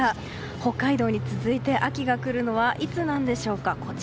北海道に続いて秋が来るのはいつなんでしょうか。